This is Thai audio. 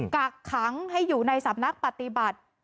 กักขังให้อยู่ในสำนักปฏิบัติ